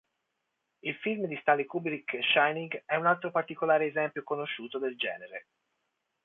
Il film di Stanley Kubrick "Shining" è un altro particolare esempio conosciuto del genere.